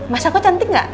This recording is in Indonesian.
mas aku cantik gak